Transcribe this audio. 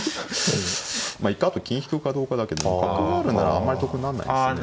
一回あと金引くかどうかだけど角があるならあんまり得になんないですね。